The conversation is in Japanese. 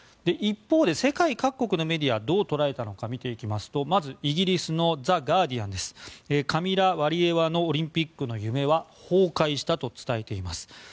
一方で世界各国のメディア見ていきますとまずイギリスのザ・ガーディアンカミラ・ワリエワのオリンピックの夢は崩壊したと伝えています。